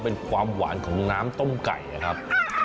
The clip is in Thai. เป็นความหวานของน้ำต้มไก่นะครับ